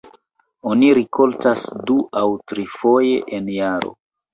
Oni rikoltas du aŭ trifoje en jaro.